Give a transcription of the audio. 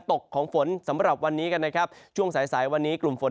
ตกของฝนสำหรับวันนี้กันนะครับช่วงสายสายวันนี้กลุ่มฝน